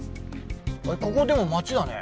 ここでも街だね。